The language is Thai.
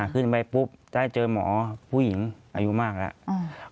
ขึ้นไปปุ๊บได้เจอหมอผู้หญิงอายุมากแล้ว